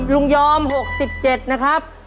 ลุงยอม๖๗นะครับ